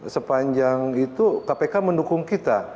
sepanjang itu kpk mendukung kita